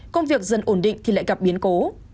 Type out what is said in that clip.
công việc dần ổn định thì lại gặp biến cố